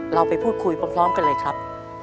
เราไปพูดคุยพร้อมกันเลยครับ